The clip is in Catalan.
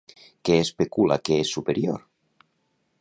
Què especula que és superior?